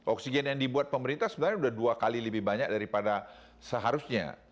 oksigen yang dibuat pemerintah sebenarnya sudah dua kali lebih banyak daripada seharusnya